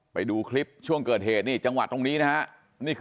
ไปดูคลิปช่วงเกิดเหตุจังหวัดที่นี่